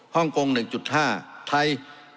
ฮ่องกง๑๕ไทย